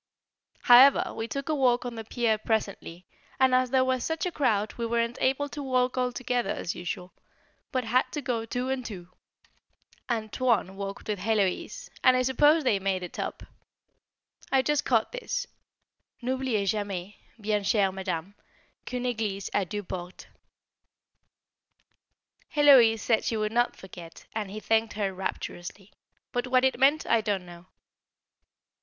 However we took a walk on the pier presently, and as there was such a crowd we weren't able to walk all together as usual, but had to go two and two. "Antoine" walked with Héloise, and I suppose they made it up. I just caught this: "N'oubliez jamais, bien chère Madame, qu'une église a deux portes." Héloise said she would not forget, and he thanked her rapturously; but what it meant I don't know.